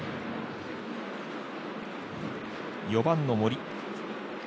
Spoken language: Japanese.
４番の森。